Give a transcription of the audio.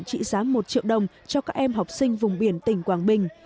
trị giá một triệu đồng cho các em học sinh vùng biển tỉnh quảng bình